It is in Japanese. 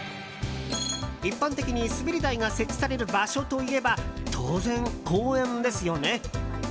一般的に、滑り台が設置される場所といえば当然、公園ですよね。